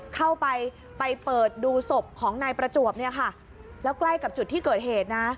เข้าไปไปเปิดดูศพของนายประจวบเนี่ยค่ะแล้วใกล้กับจุดที่เกิดเหตุนะ